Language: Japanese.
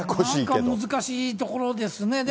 なんか難しいところですね。